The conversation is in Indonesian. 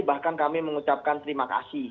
bahkan kami mengucapkan terima kasih